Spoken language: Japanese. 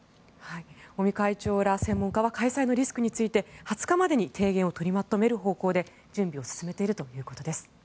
尾身会長ら専門家は開催のリスクについて２０日までに提言を取りまとめる方向で準備を進めているということです。